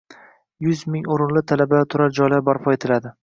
Yuz ming o‘rinli talabalar turar joylari barpo etiladi.